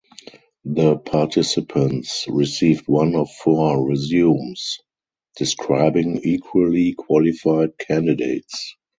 The participants received one of four resumes describing equally qualified candidates.